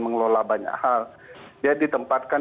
mengelola banyak hal dia ditempatkan